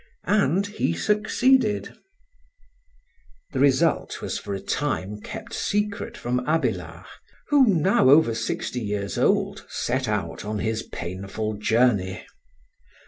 And he succeeded. The result was for a time kept secret from Abélard, who, now over sixty years old, set out on his painful journey.